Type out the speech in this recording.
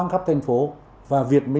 c xử thách chính phủ lâm thời